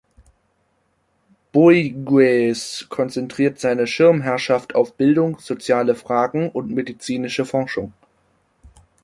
Bouygues konzentriert seine Schirmherrschaft auf Bildung, soziale Fragen und medizinische Forschung.